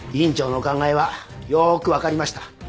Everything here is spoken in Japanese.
院長のお考えはよく分かりました。